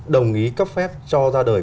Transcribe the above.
đồng ý cấp phép cho ra đời